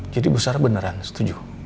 jadi bu sarah beneran setuju